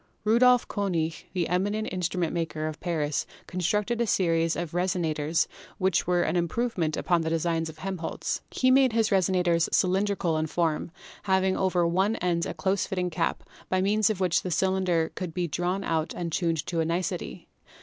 Rudolf Konig, the eminent instrument maker of Paris, constructed a series of resonators which were an im provement upon the design of Helmholtz. He made his Manometric Mirror. resonators cylindrical in form, having over one end a close fitting cap, by means of which the cylinder could be drawn out and tuned to a nicety.